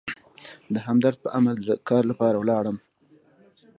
د همدرد په امر د کار لپاره ولاړم.